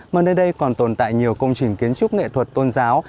mà nơi đây còn tồn tại nhiều công trình kiến trúc nghệ thuật tôn giáo